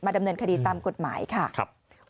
ดำเนินคดีตามกฎหมายค่ะ